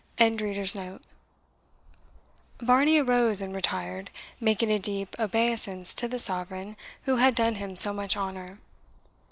] Varney arose and retired, making a deep obeisance to the Sovereign who had done him so much honour.